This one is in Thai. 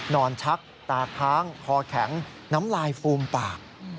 ชักตาค้างคอแข็งน้ำลายฟูมปาก